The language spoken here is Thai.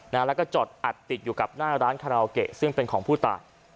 แล้วก็จอดอัดติดอยู่กับหน้าร้านคาราโอเกะซึ่งเป็นของผู้ตาย